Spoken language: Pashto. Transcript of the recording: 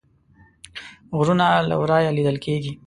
غرونه له ورایه لیدل کیږي